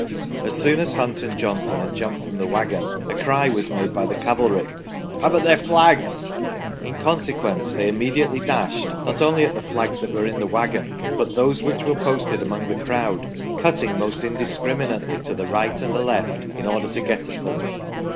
As soon as Hunt and Johnson had jumped from the waggon, a cry was made by the cavalry :' Have at their flags !' In consequence, they immediately dashed, not only at the flags that were in the waggon, but those which were posted among the crowd, cutting most indiscriminately to the right and left in order to get at them.